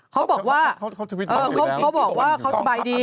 เขาบอกว่าเขาบอกว่าเขาสบายดี